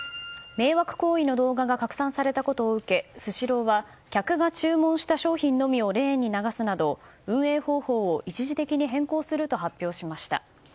迷惑行為の動画が拡散されたことを受けスシローは客が注文した商品のみをレーンに流すなど、運営方法を一時的に変更すると発表しました。